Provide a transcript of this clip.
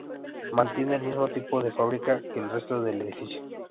Mantienen el mismo tipo de fábrica que el resto del edificio.